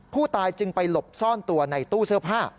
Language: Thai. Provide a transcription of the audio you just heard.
ผู้ตายจึงไปหลบซ่อนตัวในตู้เสื้อผ้า